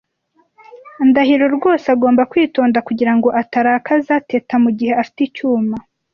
Ndahiro rwose agomba kwitonda kugirango atarakaza Teta mugihe afite icyuma.